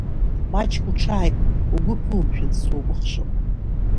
Маҷк уҽааиқәк, угәы ԥумжәан, сукәыхшоуп.